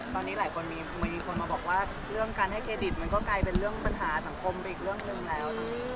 ตอนนี้หลายคนมีคนมาบอกว่าเรื่องการให้เครดิตมันก็กลายเป็นเรื่องปัญหาสังคมไปอีกเรื่องหนึ่งแล้ว